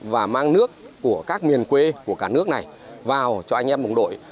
và mang nước của các miền quê của cả nước này vào cho anh em đồng đội